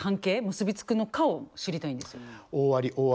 結び付くのかを知りたいんですよ。